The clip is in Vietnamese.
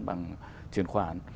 bằng truyền khoản